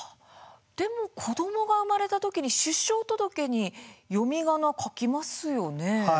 でも子どもが生まれた時に出生届に読みがなを書きますよね。